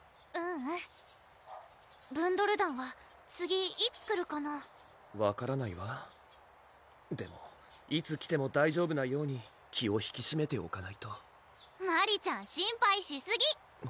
ううんブンドル団は次いつ来るかな分からないわでもいつ来ても大丈夫なように気を引きしめておかないとマリちゃん心配しすぎ！